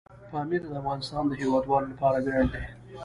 پامیر د افغانستان د هیوادوالو لپاره ویاړ دی.